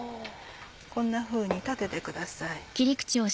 こんなふうに立ててください。